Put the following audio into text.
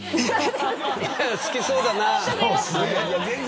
好きそうだな。